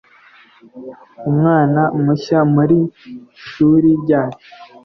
umwana mushya muri shuri ryacu